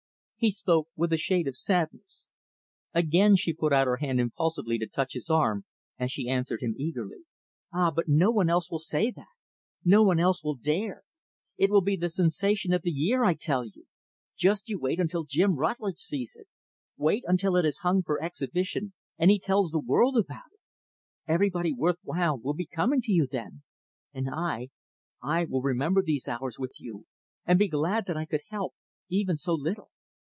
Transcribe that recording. He spoke with a shade of sadness. Again, she put out her hand impulsively to touch his arm, as she answered eagerly, "Ah, but no one else will say that. No one else will dare. It will be the sensation of the year I tell you. Just you wait until Jim Rutlidge sees it. Wait until it is hung for exhibition, and he tells the world about it. Everybody worth while will be coming to you then. And I I will remember these hours with you, and be glad that I could help even so little.